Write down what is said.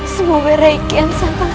semoga rai kian santang